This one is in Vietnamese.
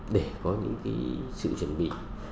để có những cái sự chuẩn bị